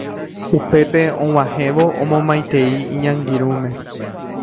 Upépe og̃uahẽvo omomaitei iñangirũme